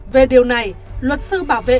về điều này luật sư bảo vệ